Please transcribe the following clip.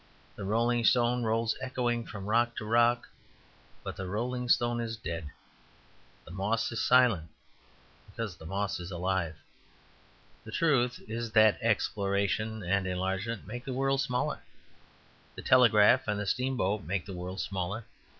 The rolling stone rolls echoing from rock to rock; but the rolling stone is dead. The moss is silent because the moss is alive. The truth is that exploration and enlargement make the world smaller. The telegraph and the steamboat make the world smaller.